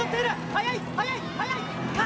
速い速い速い！